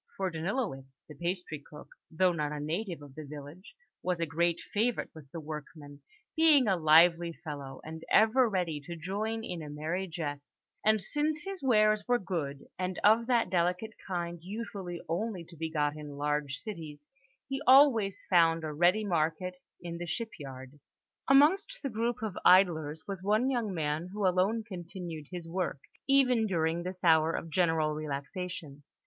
For Danilowitz, the pastry cook, though not a native of the village, was a great favourite with the workmen, being a lively fellow, and ever ready to join in a merry jest; and since his wares were good, and of that delicate kind usually only to be got in large cities, he always found a ready market in the shipyard. Amongst the group of idlers was one young man who alone continued his work, even during this hour of general relaxation.